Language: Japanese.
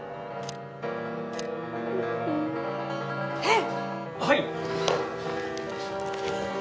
はい！